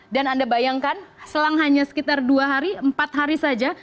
anda bayangkan selang hanya sekitar dua hari empat hari saja